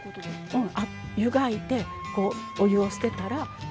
うん。